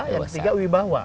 yang ketiga wibawa